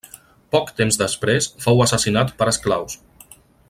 Poc temps després fou assassinat per esclaus.